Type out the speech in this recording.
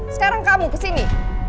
sekarang kamu kesini